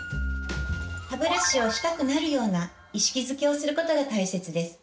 歯ブラシをしたくなるような意識づけをすることが大切です。